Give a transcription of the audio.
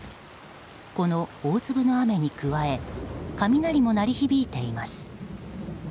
この大粒の雨に加え雷も鳴り響いています。